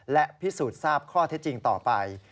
และพิสูจน์ทราบข้อเท็จจริงต่อไป